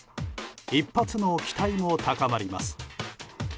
一発の期待も高まります。